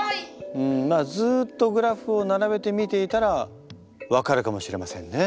うんまあずっとグラフを並べて見ていたら分かるかもしれませんね。